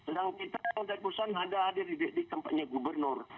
sedang kita yang dari perusahaan ada hadir di tempatnya gubernur